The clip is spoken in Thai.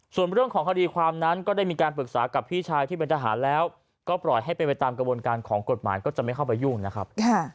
ส่วนเรื่องของคดีความนั้นก็ได้มีการปรึกษากับพี่ชายที่เป็นทหารแล้วก็ปล่อยให้เป็นไปตามกระบวนการของกฎหมายก็จะไม่เข้าไปยุ่งนะครับ